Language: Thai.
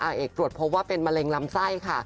เอกตรวจพบว่าเป็นมะเร็งลำไส้ค่ะ